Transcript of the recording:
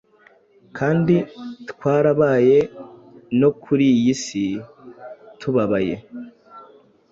kandi twarabaye no kur iy’isi tubabaye